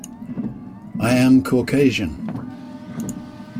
I am Caucasian.